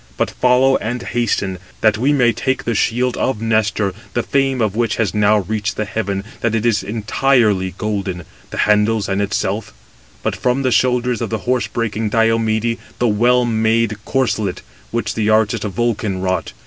But follow and hasten, that we may take the shield of Nestor, the fame of which has now reached the heaven, that it is entirely golden, the handles and itself: but, from the shoulders of horse breaking Diomede, the well made corslet, which the artist Vulcan wrought.